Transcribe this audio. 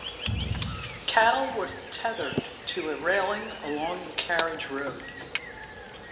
Cattle were tethered to a railing along the carriage road.